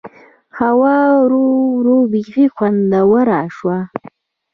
هوا ورو ورو بيخي خوندوره شوه.